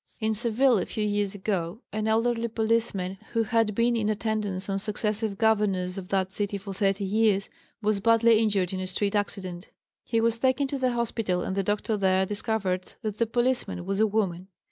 In Seville, a few years ago, an elderly policeman, who had been in attendance on successive governors of that city for thirty years, was badly injured in a street accident. He was taken to the hospital and the doctor there discovered that the "policeman" was a woman.